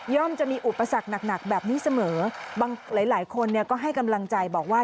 จะมีอุปสรรคหนักแบบนี้เสมอบางหลายคนเนี่ยก็ให้กำลังใจบอกว่า